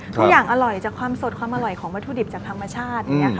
ทุกอย่างอร่อยจากความสดความอร่อยของวัตถุดิบจากธรรมชาติ